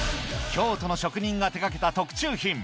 京都の職人が手掛けた特注品